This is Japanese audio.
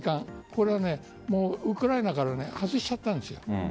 これをウクライナから外しちゃったんです。